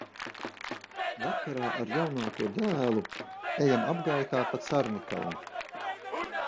Vakarā ar jaunāko dēlu ejam apgaitā pa Carnikavu.